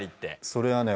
それはね